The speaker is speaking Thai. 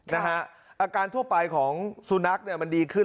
นะฮะอาการทั่วไปของซูนักมันดีขึ้น